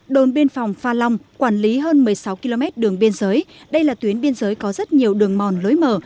đồn biên phòng pha long quản lý hơn một mươi sáu km đường biên giới đây là tuyến biên giới có rất nhiều đường mòn lối mở